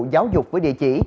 giáo dục với địa chỉ